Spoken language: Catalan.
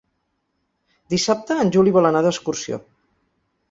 Dissabte en Juli vol anar d'excursió.